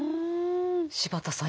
柴田さん